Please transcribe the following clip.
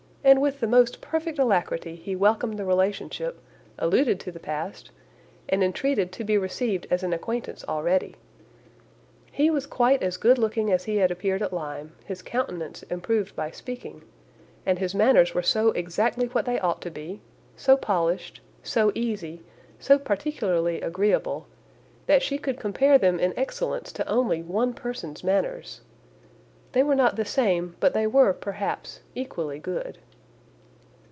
and with the most perfect alacrity he welcomed the relationship, alluded to the past, and entreated to be received as an acquaintance already. He was quite as good looking as he had appeared at Lyme, his countenance improved by speaking, and his manners were so exactly what they ought to be, so polished, so easy, so particularly agreeable, that she could compare them in excellence to only one person's manners. They were not the same, but they were, perhaps, equally good.